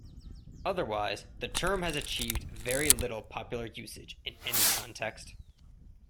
Otherwise, the term has achieved very little popular usage in any context.